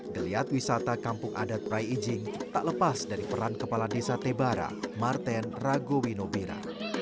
geliat wisata kampung adat rai ijing tak lepas dari peran kepala desa tebara martin rago winobira